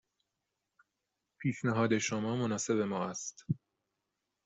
پیشنهاد شما مناسب ما است.